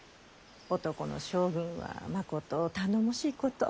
男の将軍はまこと頼もしいこと。